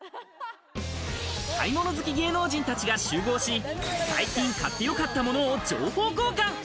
買い物好き芸能人たちが集合し、最近買ってよかったものを情報交換。